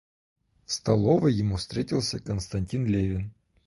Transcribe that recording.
В столовой ему встретился Константин Левин.